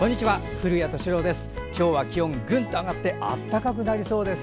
古谷敏郎です。